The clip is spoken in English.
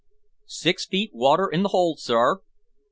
"Six feet water in the hold, sir!"